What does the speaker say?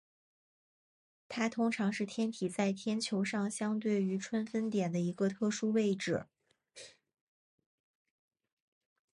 它通常是天体在天球上相对于春分点的一个特殊位置。